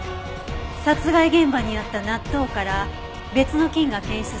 殺害現場にあった納豆から別の菌が検出されました。